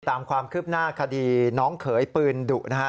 ตามความคืบหน้าคดีน้องเขยปืนดุนะฮะ